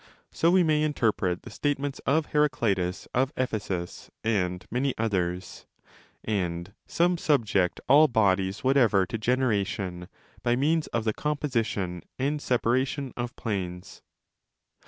So we may interpret the statements of Heraclitus of Ephesus and many others.2, And some® sub ject all bodies whatever to generation, by means of the composition and separation of planes.